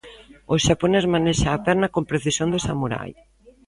O xaponés manexa a perna con precisión de samurai.